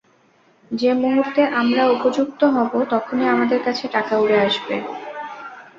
যে মুহূর্তে আমরা উপযুক্ত হব, তখনই আমাদের কাছে টাকা উড়ে আসবে।